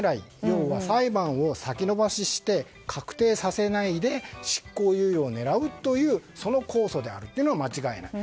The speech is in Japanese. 要は裁判を先延ばしして確定させないで執行猶予を狙うというその控訴であるというのは間違いない。